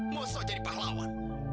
musuh jadi pahlawan